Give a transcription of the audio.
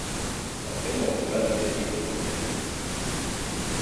El terme oposat és hipoglucèmia.